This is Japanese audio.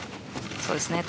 そうですね。